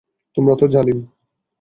তোমরা তো জালিম।